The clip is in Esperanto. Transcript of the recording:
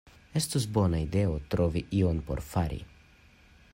Estus bona ideo trovi ion por fari.